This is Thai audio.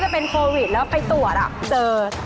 เป็นโควิดแล้วไปตรวจเจอ